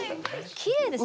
きれいですね。